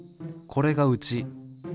これがうち。